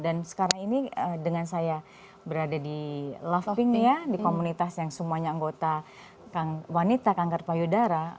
dan sekarang ini dengan saya berada di love pink ya di komunitas yang semuanya anggota wanita kanker payudara